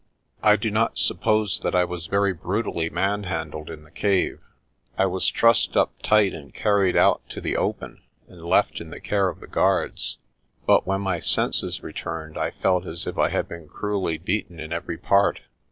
I do not suppose that I was very brutally manhan dled in the cave. I was trussed up tight and carried out to the open and left in the care of the guards. But when my senses returned I felt as if I had been cruelly beaten in every part.